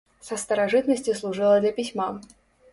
Са старажытнасці служыла для пісьма.